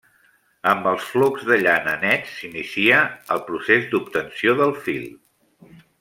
Amb els flocs de llana nets s'inicia el procés d'obtenció del fil.